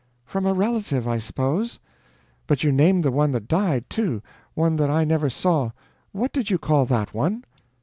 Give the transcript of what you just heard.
"From a relative, I suppose? But you named the one that died, too one that I never saw. What did you call that one?"